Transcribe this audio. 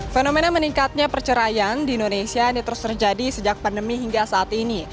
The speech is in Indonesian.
fenomena meningkatnya perceraian di indonesia ini terus terjadi sejak pandemi hingga saat ini